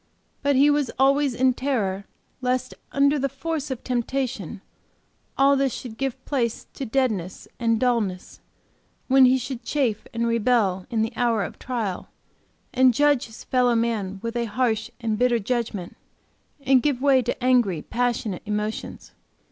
But he was always in terror, lest under the force of temptation, all this should give place to deadness and dullness, when he should chafe and rebel in the hour of trial, and judge his fellow man with a harsh and bitter judgment, and give way to angry, passionate emotions.